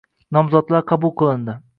nomzodlar qabul qilindi